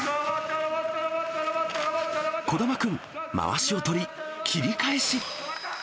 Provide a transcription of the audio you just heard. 児玉君、まわしを取り、切り返し。